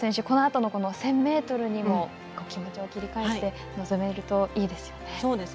このあとの１０００ｍにも気持ちを切り替えて臨めるといいですよね。